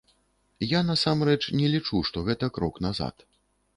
Я насамрэч не лічу, што гэта крок назад.